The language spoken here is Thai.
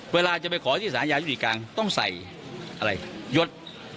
เวลาจะไปขอที่ศาลอาญาธุรกิจกลางต้องใส่ยศ